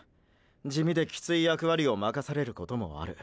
地味でキツイ役割をまかされることもある。